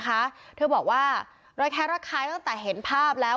เธอหน่อยนะคะเธอบอกว่ารักแค่รักใครตั้งแต่เห็นภาพแล้ว